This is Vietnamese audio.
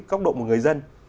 cốc độ một người dân